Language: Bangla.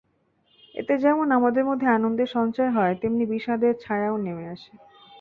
এতে যেমন আমাদের মধ্যে আনন্দের সঞ্চার হয়, তেমনি বিষাদের ছায়াও নেমে আসে।